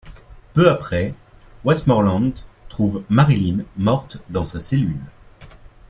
Peu après, Westmoreland trouve Marilyn morte dans sa cellule.